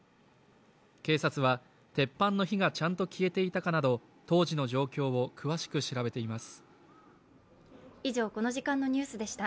警察は鉄板の火がちゃんと消えていたかなど当時の状況を詳しく調べています。